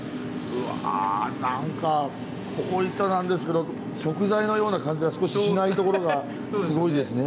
うわ何かこう言ってはなんですけど食材のような感じは少ししないところがすごいですね。